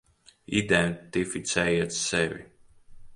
Identificējiet sevi.